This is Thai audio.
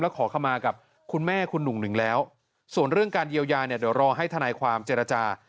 ขอขมากับคุณแม่คุณหนุ่งหนึ่งแล้วส่วนเรื่องการเยียวยาเนี่ยเดี๋ยวรอให้ทนายความเจรจา